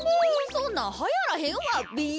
そんなんはやらへんわべ。